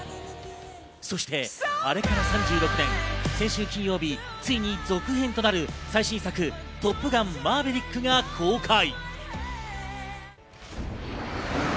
そしてあれから３６年、先週金曜日、ついに続編となる最新作『トップガンマーヴェリック』が公開。